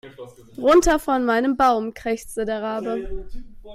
"Runter von meinem Baum", krächzte der Rabe.